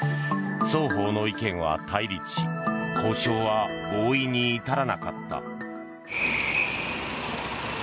双方の意見は対立し交渉は合意に至らなかった。